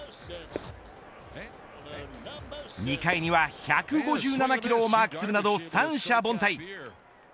２回には１５７キロをマークするなど三者凡退。